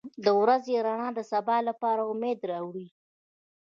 • د ورځې رڼا د سبا لپاره امید راوړي.